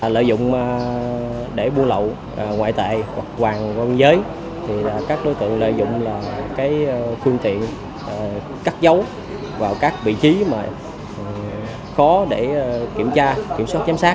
lợi dụng để mua lậu ngoại tệ hoặc hoàng quân giới thì các đối tượng lợi dụng là cái phương tiện cắt dấu vào các vị trí mà khó để kiểm tra kiểm soát chăm sát